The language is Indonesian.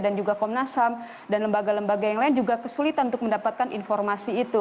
dan juga komnas ham dan lembaga lembaga yang lain juga kesulitan untuk mendapatkan informasi itu